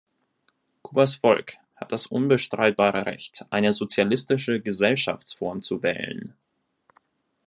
Kubas Volk hat das unbestreitbare Recht, eine sozialistische Gesellschaftsform zu wählen.